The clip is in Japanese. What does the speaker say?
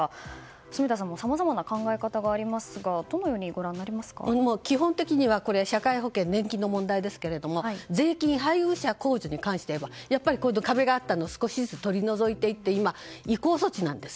住田さんもさまざまな考え方がありますが基本的には社会保険年金の問題ですけど税金配偶者控除に関してはやっぱりこういう壁があったのを少しずつとっていって今、移行措置なんです。